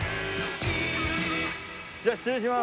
じゃあ失礼します。